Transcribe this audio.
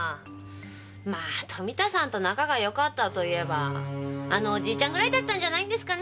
まぁ富田さんと仲が良かったといえばあのおじちゃんぐらいだったんじゃないんですかね？